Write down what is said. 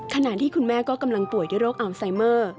ขณะที่คุณแม่ก็กำลังป่วยด้วยโรคอัลไซเมอร์